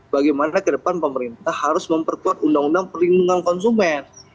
bagaimana ke depan pemerintah harus memperkuat undang undang perlindungan konsumen